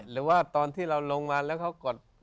หรือว่าตอนที่เราลงมาแล้วเขากด